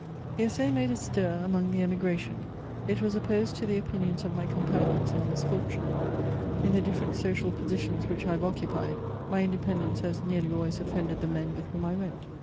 The Essai made a stir among the Emigration: it was opposed to the opinions of my companions in misfortune; in the different social positions which I have occupied, my independence has nearly always offended the men with whom I went.